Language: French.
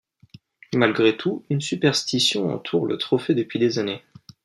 Malgré tout, une superstition entoure le trophée depuis des années.